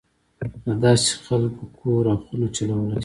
دداسې خلک کور او خونه چلولای شي.